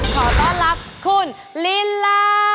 ขอต้อนรับคุณลิลา